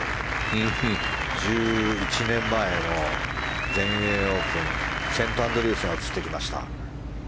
１１年前の全英オープンセント・アンドリュースが映ってきました。